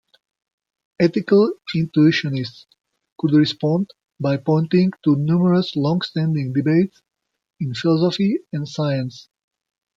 Ethical intuitionists could respond by pointing to numerous long-standing debates in philosophy and science.